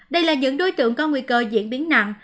đây là những đối tượng có nguy cơ diễn biến nặng